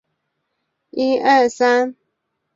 现代土耳其的边境确定下来。